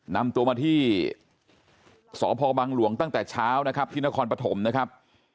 นำตัวมาที่สพบังหลวงตั้งแต่เช้านะครับที่นครปฐมนะครับ